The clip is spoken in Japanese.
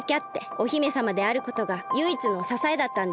お姫さまであることがゆいいつのささえだったんです。